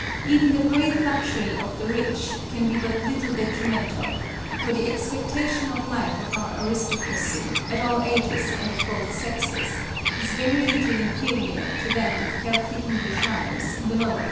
Even the great luxury of the rich can be but little detrimental; for the expectation of life of our aristocracy, at all ages and of both sexes, is very little inferior to that of healthy English lives in the lower classes.